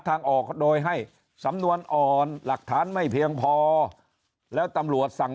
ทางออกโดยให้สำนวนอ่อนหลักฐานไม่เพียงพอแล้วตำรวจสั่ง